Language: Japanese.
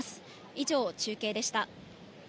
以上、中継でした。